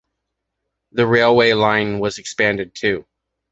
The railway line was expanded, too.